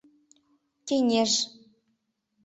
КЕҤЕЖ